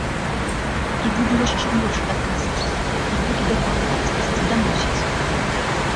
І буду яшчэ больш даказваць, і буду да грамадскасці даносіць.